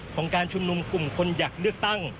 ของการชุมนุมกลุ่มคนอยากเลือกตั้ง